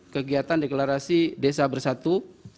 kegiatan deklarasi desa bersatu